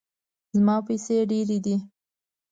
زما پیسې ډیرې دي